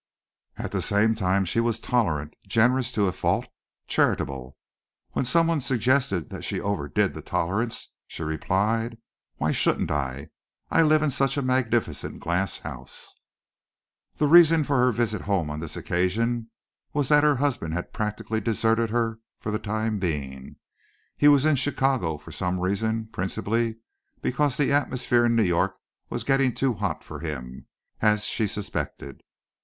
At the same time she was tolerant, generous to a fault, charitable. When someone suggested that she overdid the tolerance, she replied, "Why shouldn't I? I live in such a magnificent glass house." The reason for her visit home on this occasion was that her husband had practically deserted her for the time being. He was in Chicago for some reason principally because the atmosphere in New York was getting too hot for him, as she suspected.